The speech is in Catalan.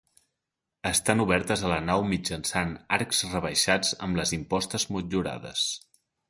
Estan obertes a la nau mitjançant arcs rebaixats amb les impostes motllurades.